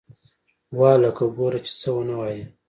وه هلکه گوره چې څه ونه وايې.